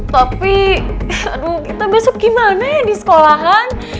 tapi aduh kita besok gimana ya di sekolahan